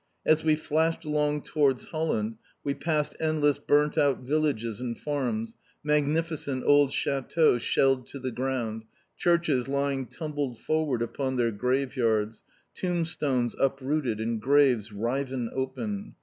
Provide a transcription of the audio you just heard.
As we flashed along towards Holland we passed endless burnt out villages and farms, magnificent old châteaux shelled to the ground, churches lying tumbled forward upon their graveyards, tombstones uprooted and graves riven open.